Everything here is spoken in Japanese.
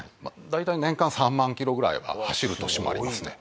大体年間３万キロぐらいは走る年もありますね。